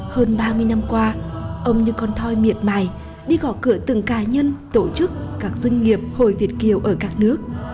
hơn ba mươi năm qua ông như con thoi miệt mài đi gỏ cửa từng cá nhân tổ chức các doanh nghiệp hồi việt kiều ở các nước